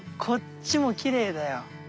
こっちもきれいだよ。